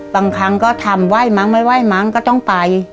บางครั้งก็ทำไหว้มั้งไม่ไหว้มั้งก็ต้องไป